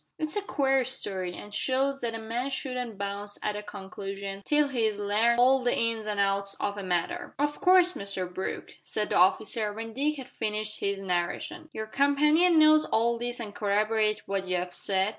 "It's a queer story, an' shows that a man shouldn't bounce at a conclusion till he's larned all the ins an' outs of a matter." "Of course, Mr Brooke," said the officer, when Dick had finished his narration, "your companion knows all this and can corroborate what you have said?"